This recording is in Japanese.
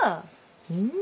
うん。